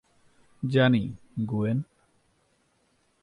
জানি, গুয়েন।